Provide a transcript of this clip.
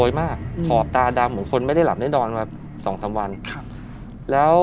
สภาพคือเห็นเขานอนอยู่ในเสื้อ